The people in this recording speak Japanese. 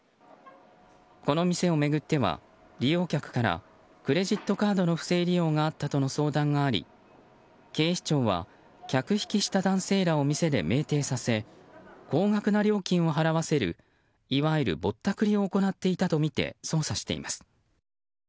この店を巡っては利用客からクレジットカードの不正利用があったとの相談があり警視庁は客引きした男性らを店で酩酊させ高額な料金を払わせるいわゆるぼったくりを行っていたとみて捜査しています。